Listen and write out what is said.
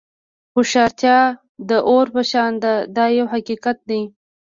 هوښیارتیا د اور په شان ده دا یو حقیقت دی.